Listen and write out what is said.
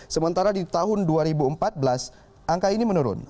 sementara di tahun dua ribu empat belas angka ini menurun